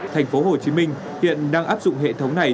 thành phố hồ chí minh hiện đang áp dụng hệ thống này